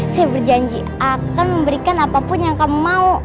saya berjanji akan memberikan apapun yang kamu mau